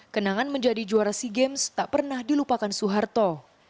kenangan menjadi juara sea games tak pernah dilupakan soeharto